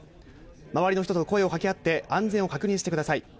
周りの人と声を掛け合って安全を確認してください。